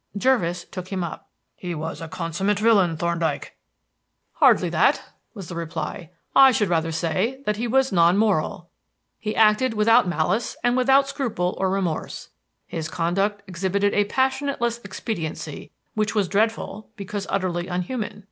Jervis took him up. "He was a consummate villain, Thorndyke." "Hardly that," was the reply. "I should rather say that he was non moral. He acted without malice and without scruple or remorse. His conduct exhibited a passionateless expediency which was dreadful because utterly unhuman.